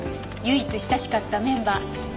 唯一親しかったメンバー。